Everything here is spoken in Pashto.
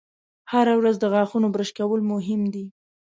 هره ورځ د غاښونو برش کول مهم دي.